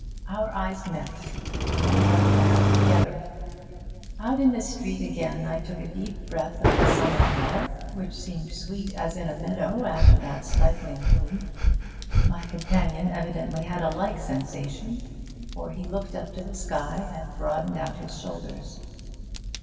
Our eyes met; we left the house together. Out in the street again I took a deep breath of the summer air, which seemed sweet as in a meadow after that stifling room. My companion evidently had a like sensation, for he looked up to the sky and broadened out his shoulders.